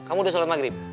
kamu udah selesai maghrib